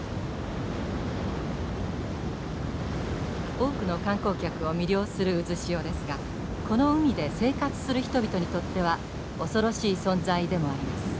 多くの観光客を魅了する渦潮ですがこの海で生活する人々にとっては恐ろしい存在でもあります。